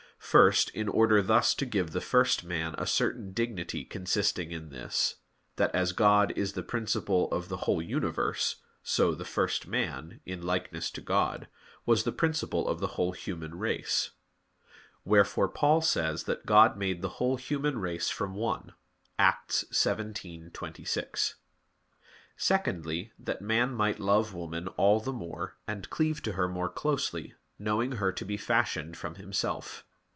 First, in order thus to give the first man a certain dignity consisting in this, that as God is the principle of the whole universe, so the first man, in likeness to God, was the principle of the whole human race. Wherefore Paul says that "God made the whole human race from one" (Acts 17:26). Secondly, that man might love woman all the more, and cleave to her more closely, knowing her to be fashioned from himself.